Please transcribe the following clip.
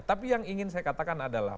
tapi yang ingin saya katakan adalah